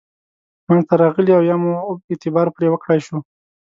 منځته راغلي او یا موږ اعتبار پرې وکړای شو.